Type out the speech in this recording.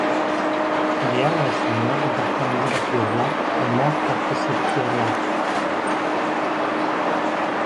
Diğer ressamlar uzaktan bize bakıyorlar ve muhakkak ki sırıtıyorlardı.